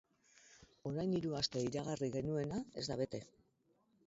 Orain hiru aste iragarri genuena ez da bete.